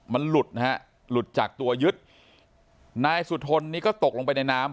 มันหลุดนะฮะหลุดจากตัวยึดนายสุธนนี่ก็ตกลงไปในน้ำ